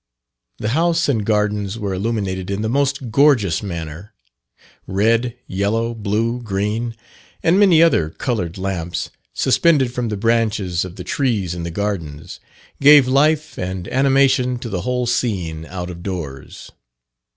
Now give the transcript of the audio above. The house and gardens were illuminated in the most gorgeous manner. Red, yellow, blue, green, and many other coloured lamps, suspended from the branches of the trees in the gardens, gave life and animation to the whole scene out of doors.